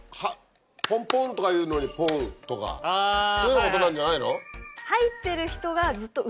ポンポンとかいうのにポンとかそういうようなことなんじゃないの？